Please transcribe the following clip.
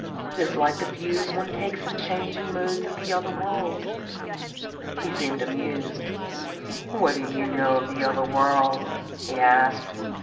It is like the views one takes in changing moods of the other world." He seemed amused. "What do you know of the other world?" he asked.